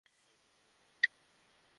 হয়তো পরে কখনো।